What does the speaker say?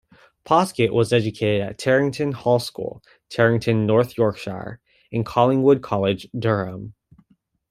Poskitt was educated at Terrington Hall School, Terrington, North Yorkshire and Collingwood College, Durham.